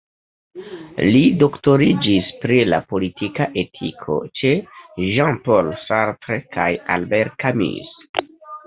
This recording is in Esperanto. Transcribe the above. Li doktoriĝis pri la politika etiko ĉe Jean-Paul Sartre kaj Albert Camus.